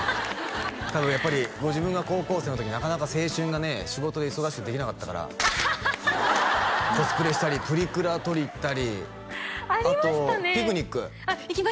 多分やっぱりご自分が高校生の時なかなか青春がね仕事で忙しくてできなかったからコスプレしたりプリクラ撮りに行ったりありましたね